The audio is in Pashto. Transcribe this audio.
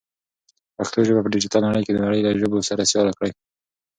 پښتو ژبه په ډیجیټل نړۍ کې د نړۍ له ژبو سره سیاله کړئ.